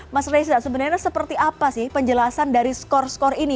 mas reza sebenarnya seperti apa sih penjelasan dari skor skor ini